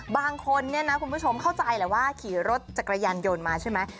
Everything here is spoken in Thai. บางคนเนี่ยนะคุณผู้ชมเข้าใจแหละว่าขี่รถจักรยานยนต์มาใช่ไหม